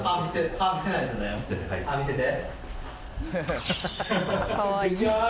歯見せて！